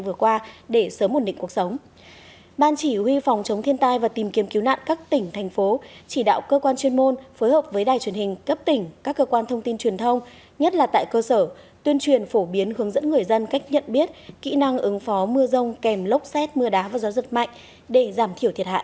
văn phòng thường trực ban chỉ đạo quốc gia về phòng chống thiên tai và tìm kiếm cứu nạn các tỉnh thành phố chỉ đạo cơ quan chuyên môn phối hợp với đài truyền hình cấp tỉnh các cơ quan thông tin truyền thông nhất là tại cơ sở tuyên truyền phổ biến hướng dẫn người dân cách nhận biết kỹ năng ứng phó mưa rông kèm lốc xét mưa đá và gió giật mạnh để giảm thiểu thiệt hại